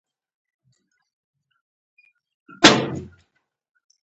د نوو سافټویرونو کارول د معلوماتو د تحلیل کچه لوړه کړې ده.